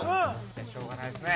しょうがないですね。